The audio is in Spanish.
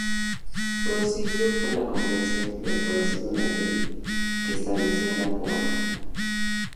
Prosiguió con la confección y aprobación de la ley que establecía la comarca.